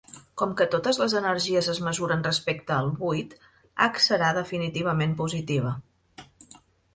Com que totes les energies es mesuren respecte al buit, H serà definitivament positiva.